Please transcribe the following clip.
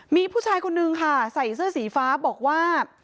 มีผู้ชายคนนึงค่ะใส่เสื้อสีฟ้าบอกว่า